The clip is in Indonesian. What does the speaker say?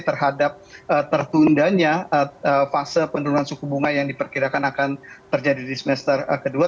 terhadap tertundanya fase penurunan suku bunga yang diperkirakan akan terjadi di semester kedua